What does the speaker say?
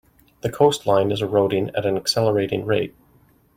The coastline is eroding at an accelerating rate.